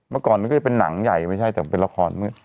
เมื่อก่อนมันก็จะเป็นหนังใหญ่ไม่ใช่แต่มันเป็นละคร